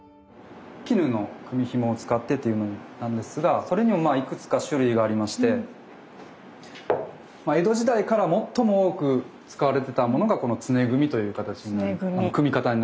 絹の組紐を使ってというのなんですがそれにもいくつか種類がありましてまあ江戸時代から最も多く使われてたものがこの常組という形になります。